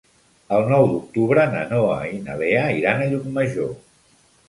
El nou d'octubre na Noa i na Lea iran a Llucmajor.